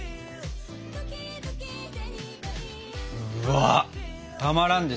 うわったまらんですね。